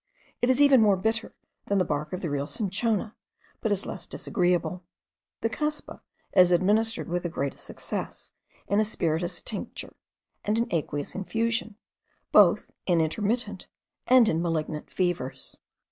It is even more bitter than the bark of the real cinchona, but is less disagreeable. The cuspa is administered with the greatest success, in a spirituous tincture, and in aqueous infusion, both in intermittent and in malignant fevers.